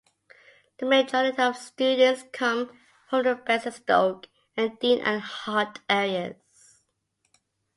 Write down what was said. The majority of students come from the Basingstoke and Deane and Hart areas.